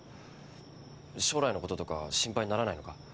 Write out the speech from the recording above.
将来のこととかは心配にならないのか？